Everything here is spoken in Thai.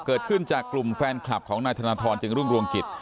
เกิดขึ้นจากกลุ่มแฟนคลับของนายธนทรจึงรุ่งรวงกิจ